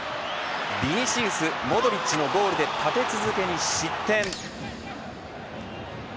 ヴィニシウス、モドリッチのゴールで立て続けに失点。